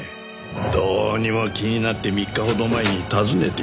どうにも気になって３日ほど前に訪ねていったんだよ。